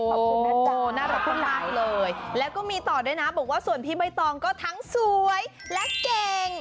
โอ้โฮน่ารักมากเลยแล้วก็มีต่อด้วยนะบอกว่าส่วนพี่ใบตองก็ทั้งสวยและเก่ง